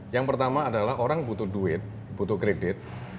yang pertama adalah orang butuh duit butuh kredit